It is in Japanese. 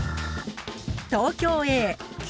東京Ａ９